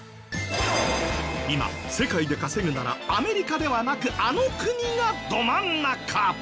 今世界で稼ぐならアメリカではなくあの国がど真ん中！